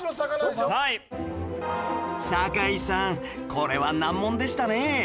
これは難問でしたね